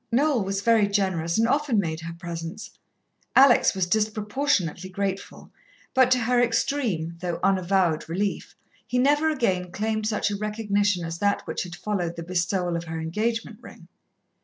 Noel was very generous, and often made her presents. Alex was disproportionately grateful, but to her extreme, though unavowed relief, he never again claimed such a recognition as that which had followed the bestowal of her engagement ring.